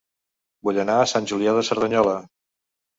Vull anar a Sant Julià de Cerdanyola